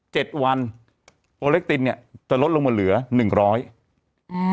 เจ็ดวันโอเล็กตินเนี้ยจะลดลงมาเหลือหนึ่งร้อยอืม